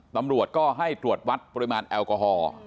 ตำรวจก็ให้ตรวจวัดปริมาณแอลกอฮอล์